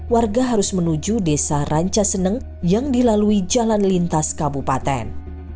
warga harus menuju desa rancaseneng yang dilalui jalan lintas kabupaten